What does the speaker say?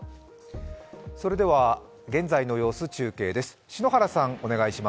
それでは現在の様子、中継です。